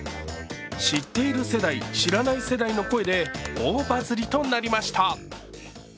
知っている世代、知らない世代の声で大バズリとなりました。